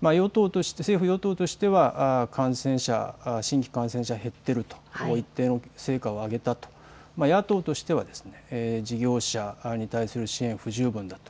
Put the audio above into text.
政府与党としては感染者、新規感染者数、減っていると、一定の成果を上げたと、野党としては事業所に対する支援、不十分だと。